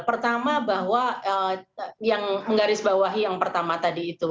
pertama bahwa yang menggaris bawahi yang pertama tadi itu